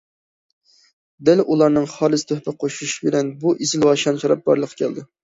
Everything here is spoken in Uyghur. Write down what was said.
دەل ئۇلارنىڭ خالىس تۆھپە قوشۇشى بىلەن بۇ ئېسىل ۋە شان- شەرەپ بارلىققا كەلدى.